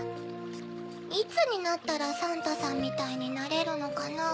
いつになったらサンタさんみたいになれるのかなぁ？